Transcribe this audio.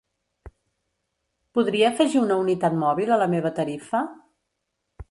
Podria afegir una unitat mòbil a la meva tarifa?